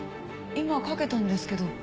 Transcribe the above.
今かけたんですけど。